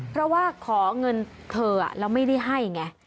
เพราะว่าขอเงินเธอแล้วไม่ได้ให้ไง